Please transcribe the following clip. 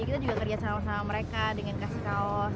kita juga kerja sama sama mereka dengan kasih kaos